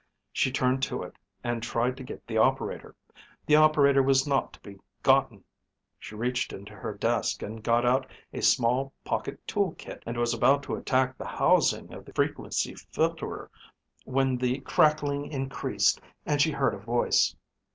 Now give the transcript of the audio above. She turned to it and tried to get the operator. The operator was not to be gotten. She reached into her desk and got out a small pocket tool kit and was about to attack the housing of the frequency filterer when the crackling increased and she heard a voice.